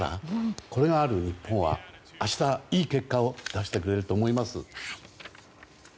これがある日本は明日、いい結果を出してくれると思います。